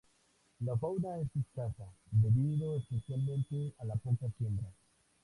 La fauna es escasa, debido especialmente a la poca siembra.